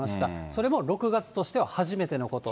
それも６月としては初めてのこと。